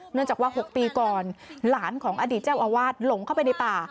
เนื่องจากว่า๖ปีก่อนหลานของอดีตเจ้าอาวาสหลงเข้าไปในป่า